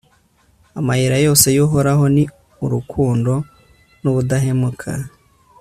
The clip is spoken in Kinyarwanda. amayira yose y'uhoraho ni urukundo n'ubudahemuka